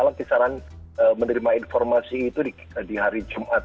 saya juga disarankan menerima informasi itu di hari jumat